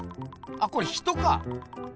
あこれ人か。